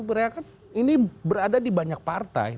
karena kan ini berada di banyak partai